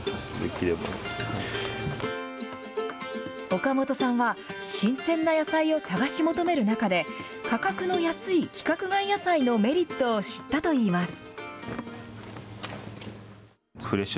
岡本さんは、新鮮な野菜を探し求める中で、価格の安い規格外野菜のメリットを知ったといいます。